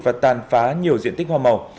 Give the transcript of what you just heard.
và tàn phá nhiều diện tích hoa màu